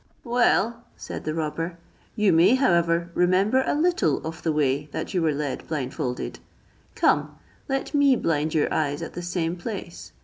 "Well," replied the robber, "you may, however, remember a little of the way that you were led blindfolded. Come, let me blind your eyes at the same place.